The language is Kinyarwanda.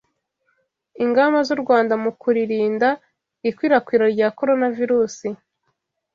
Ingamba z’u Rwanda mukririnda ikwirakwira rya coronavirus